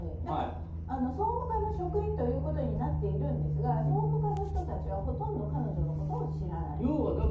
だから総務課の職員ということになっているんですが総務課の人たちはほとんどこの人を知らない。